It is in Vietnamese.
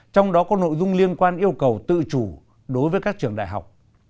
trong đó có nội dung liên quan yêu cầu tự chủ đối với các trường đại học